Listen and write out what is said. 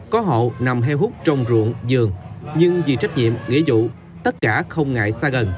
có họ nằm heo hút trong ruộng giường nhưng vì trách nhiệm nghệ dụ tất cả không ngại xa gần